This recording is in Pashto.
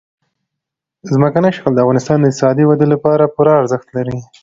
ځمکنی شکل د افغانستان د اقتصادي ودې لپاره پوره ارزښت لري.